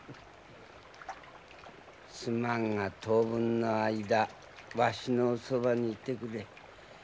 すまんが当分の間わしのそばにいてくれ。